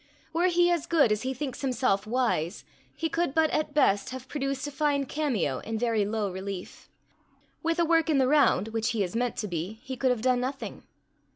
Were he as good as he thinks himself wise he could but at best have produced a fine cameo in very low relief: with a work in the round, which he is meant to be, he could have done nothing.